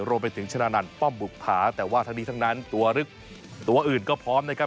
รวมไปถึงชนะนันป้อมบุกผาแต่ว่าทั้งนี้ทั้งนั้นตัวอื่นก็พร้อมนะครับ